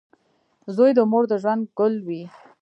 • زوی د مور د ژوند ګل وي.